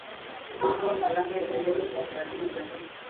hutoa karanga endelevu za brazil Jamii ilitoa